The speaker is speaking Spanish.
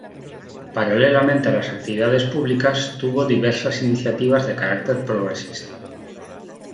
Paralelamente a las actividades públicas tuvo diversas iniciativas de carácter progresista.